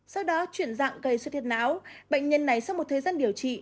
sau đó chuyển dạng gây xuất hiện não bệnh nhân này sau một thời gian điều trị